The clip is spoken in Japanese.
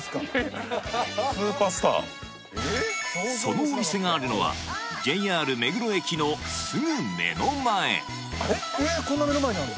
そのお店があるのはＪＲ目黒駅のすぐ目の前あれ？